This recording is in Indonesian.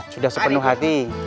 sudah sepenuh hati